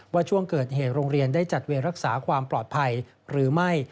ช่วงเกิดเหตุโรงเรียนได้จัดเวรรักษาความปลอดภัยหรือไม่